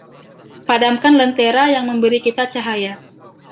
Padamkan lentera yang memberi kita cahaya.